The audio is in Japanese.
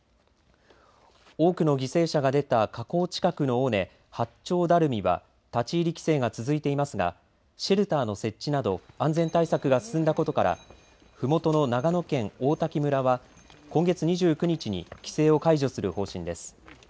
多くの犠牲者が出た火口近くの尾根、八丁ダルミは立ち入り規制が続いていますがシェルターの設置など安全対策が進んだことからふもとの長野県王滝村は今月２９日に規制を解除する方針です。